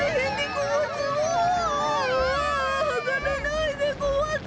はがれないでごわす！